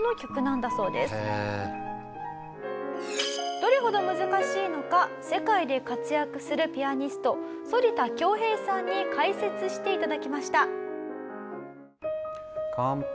どれほど難しいのか世界で活躍するピアニスト反田恭平さんに解説して頂きました。